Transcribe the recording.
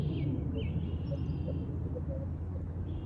ফলে জেলা পর্যায়ে যেকোনো সুবিধার জন্য এখানকার নাগরিকদের ঢাকায় যেতে হয়।